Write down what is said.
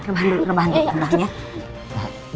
reban dulu reban dulu